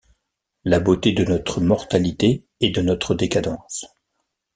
La beauté de notre mortalité et de notre décadence.